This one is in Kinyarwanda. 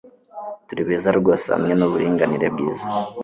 Turi beza rwose hamwe nuburinganire bwiza